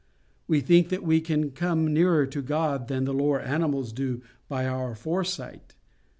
We think that we come nearer to God than the lower animals do by our foresight.